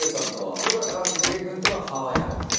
僕は一茂君とはハワイ仲間です。